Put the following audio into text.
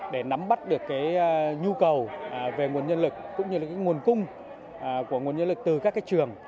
để nắm bắt được nhu cầu về nguồn nhân lực cũng như là nguồn cung của nguồn nhân lực từ các trường